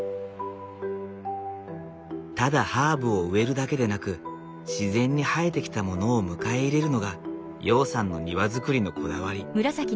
ただハーブを植えるだけでなく自然に生えてきたものを迎え入れるのが陽さんの庭造りのこだわり。